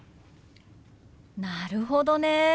なるほどね。